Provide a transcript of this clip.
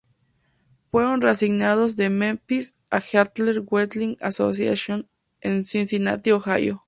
Fueron reasignados de Memphis, a Heartland Wrestling Association, en Cincinnati, Ohio.